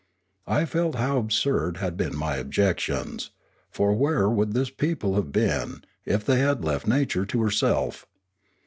I felt how absurd had been my objections; for where would this people have been, if they had left nature to herself?